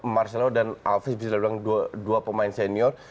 marcelo dan alvi bisa dibilang dua pemain senior